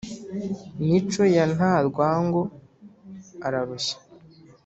mico ya nta rwango ararushya